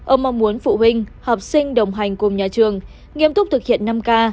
ông mong muốn phụ huynh học sinh đồng hành cùng nhà trường nghiêm túc thực hiện năm k